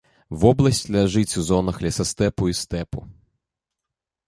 Вобласць ляжыць у зонах лесастэпу і стэпу.